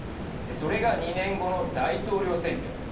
それが２年後の大統領選挙。